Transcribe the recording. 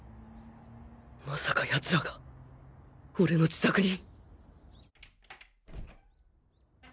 まさか奴らが俺の自宅に！？